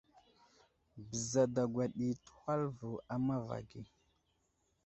Bəza dagwa ɗi təhwal a mava ge.